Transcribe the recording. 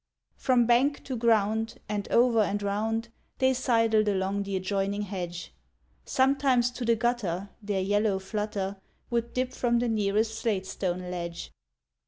From bank to ground And over and round They sidled along the adjoining hedge; Sometimes to the gutter Their yellow flutter Would dip from the nearest slatestone ledge.